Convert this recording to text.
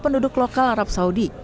penduduk lokal arab saudi